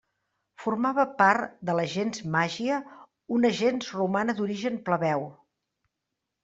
Formava part de la gens Màgia, una gens romana d'origen plebeu.